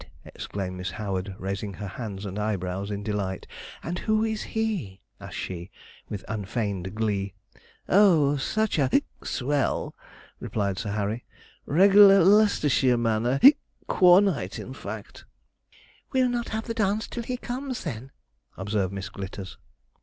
exclaimed Miss Howard, raising her hands and eyebrows in delight; 'and who is he?' asked she, with unfeigned glee. 'Oh such a swell,' replied Sir Harry; 'reg'lar Leicestershire man. A Quornite, in fact.' 'We'll not have the dance till he comes, then,' observed Miss Glitters.